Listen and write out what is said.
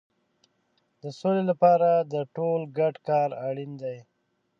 د سولې لپاره د ټولو ګډ کار اړین دی.